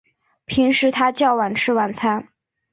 平时他较晚吃晚餐